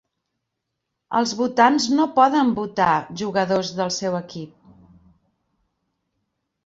Els votants no poden votar jugadors del seu equip.